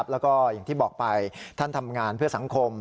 แล้วก็อย่างที่บอกไปท่านทำงานเพื่อสังคม